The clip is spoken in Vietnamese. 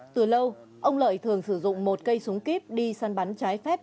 từ lâu ông lợi thường sử dụng một cây súng kíp đi săn bắn trái phép